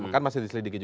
kan masih diselidiki juga